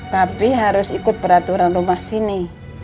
tapi harus ikut peraturan rumah sini